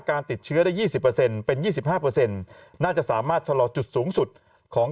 การติดเชื้อได้๒๐เป็น๒๕น่าจะสามารถชะลอจุดสูงสุดของ